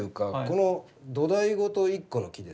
この土台ごと一個の木です。